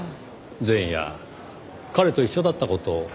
前夜彼と一緒だった事を。